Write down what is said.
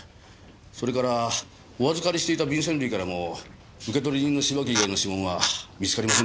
それからお預かりしていた便せん類からも受取人の芝木以外の指紋は見つかりませんでした。